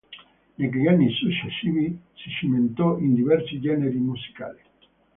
Negli anni successivi si cimentò in diversi generi musicali.